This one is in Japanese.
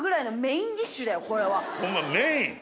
ホンマメイン！